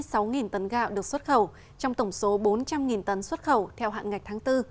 tổng số lượng gạo được xuất khẩu trong tổng số bốn trăm linh tấn xuất khẩu theo hạn ngạch tháng bốn